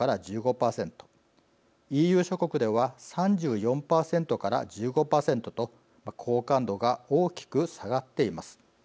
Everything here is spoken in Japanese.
ＥＵ諸国では３４％から１５％と好感度が大きく下がっています。